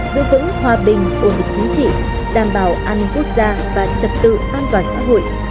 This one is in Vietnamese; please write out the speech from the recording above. giữ vững hòa bình ổn chính trị đảm bảo an ninh quốc gia và trật tự an toàn xã hội